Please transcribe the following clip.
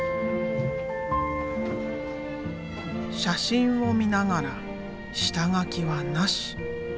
写真を見ながら下書きはなし。